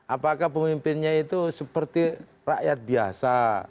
apakah pemimpinnya itu seperti rakyat biasa